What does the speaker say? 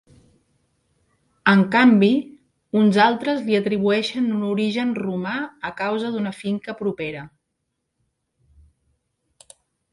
En canvi, uns altres li atribueixen un origen romà a causa d'una finca propera.